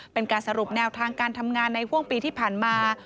เป็นการสรุปแนวทางการทำงานในห่วงปีที่ผ่านมา